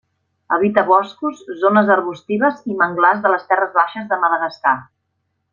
Habita boscos, zones arbustives i manglars de les terres baixes de Madagascar.